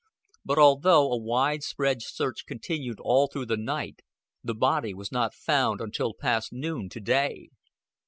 But, although a wide spread search continued all through the night, the body was not found until past noon to day.